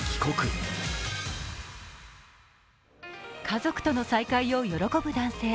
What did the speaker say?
家族との再会を喜ぶ男性。